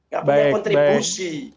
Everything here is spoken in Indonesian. gak punya kontribusi